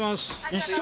一緒？